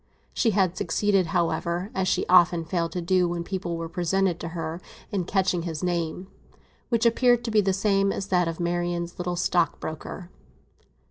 She had succeeded, however, as she often failed to do when people were presented to her, in catching his name, which appeared to be the same as that of Marian's little stockbroker.